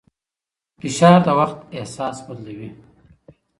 فشار د وخت احساس بدلوي.